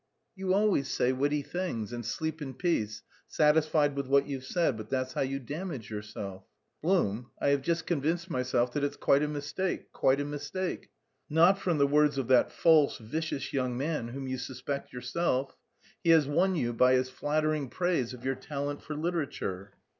"You always say witty things, and sleep in peace satisfied with what you've said, but that's how you damage yourself." "Blum, I have just convinced myself that it's quite a mistake, quite a mistake." "Not from the words of that false, vicious young man whom you suspect yourself? He has won you by his flattering praise of your talent for literature."